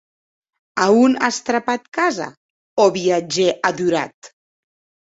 A on as trapat casa, ò viatgèr adorat?